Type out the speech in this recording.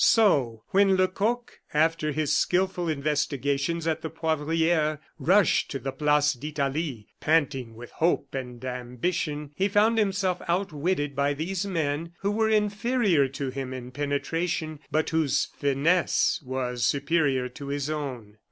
So, when Lecoq, after his skilful investigations at the Poivriere, rushed to the Place d'Italie, panting with hope and ambition, he found himself outwitted by these men, who were inferior to him in penetration, but whose finesse was superior to his own.